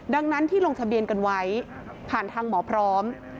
ดังนั้นที่ลงทะเบียนกันไว้ผ่านทางหมอพร้อม